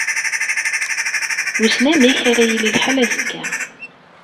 Wissen amek ara yili lḥal azekka.